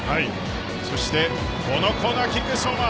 そしてこのコーナーキック、相馬。